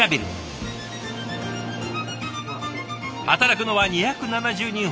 働くのは２７０人ほど。